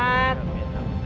terima kasih ya